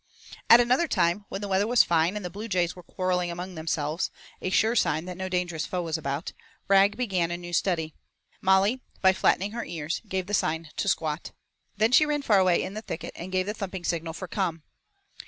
At another time, when the weather was fine and the bluejays were quarrelling among themselves, a sure sign that no dangerous foe was about, Rag began a new study. Molly, by flattening her ears, gave the sign to squat. Then she ran far away in the thicket and gave the thumping signal for 'come.'